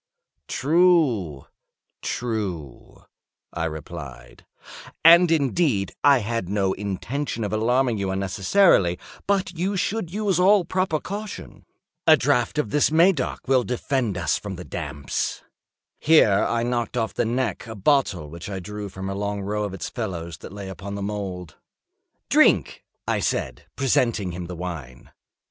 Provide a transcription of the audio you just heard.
"True—true," I replied; "and, indeed, I had no intention of alarming you unnecessarily—but you should use all proper caution. A draught of this Medoc will defend us from the damps." Here I knocked off the neck of a bottle which I drew from a long row of its fellows that lay upon the mould. "Drink," I said, presenting him the wine.